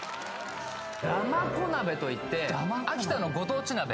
だまこ鍋といって秋田のご当地鍋。